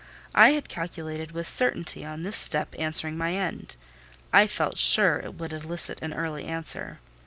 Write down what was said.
I had calculated with certainty on this step answering my end: I felt sure it would elicit an early answer.